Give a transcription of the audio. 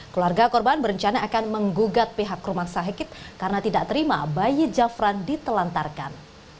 keluarga korban berencana akan menggugat pihak rumah sakit karena tidak terima bayi jafran ditelantarkan